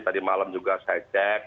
tadi malam juga saya cek